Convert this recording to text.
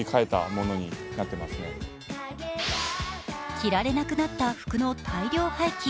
着られなくなった服の大量廃棄。